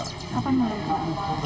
apa menurut pak